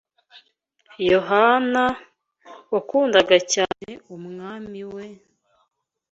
Yohana, wakundaga cyane Umwami we,